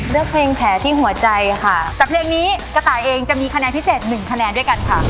เลือกเพลงแผลที่หัวใจค่ะแต่เพลงนี้กระต่ายเองจะมีคะแนนพิเศษหนึ่งคะแนนด้วยกันค่ะ